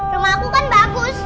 rumahku kan bagus